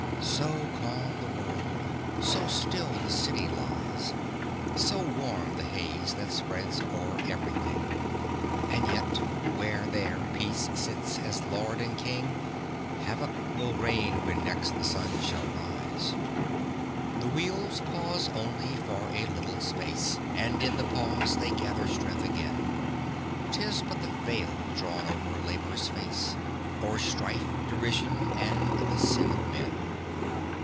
So calm the world, so still the city lies, So warm the haze that spreads o'er everything; And yet where, there, Peace sits as Lord and King, Havoc will reign when next the sun shall rise. The wheels pause only for a little space, And in the pause they gather strength again. 'Tis but the veil drawn over Labour's face, O'er strife, derision, and the sin of men.